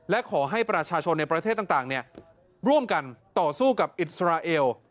และขอให้ประชาชนในประเทศต่างร่วมกันต่อสู้กับอิสราเอล